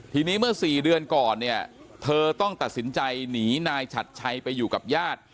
ทีนี้เมื่อ๔เดือนก่อนเนี่ยเธอต้องตัดสินใจหนีนายฉัดชัยไปอยู่กับญาติ